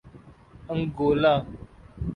Angola